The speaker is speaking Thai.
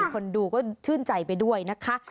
คนดูก็ชื่นใจไปด้วยนะคะ